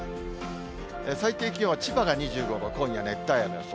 最低気温は千葉が２５度、今夜、熱帯夜の予想。